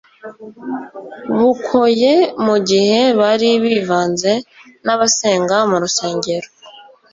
Bukoye mu gihe bari bivanze n'abasenga mu rusengero,